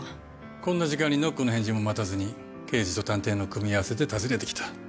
こんな時間にノックの返事も待たずに刑事と探偵の組み合わせで訪ねてきた。